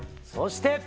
そして！